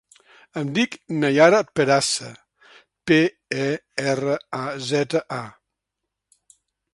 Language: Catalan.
Em dic Naiara Peraza: pe, e, erra, a, zeta, a.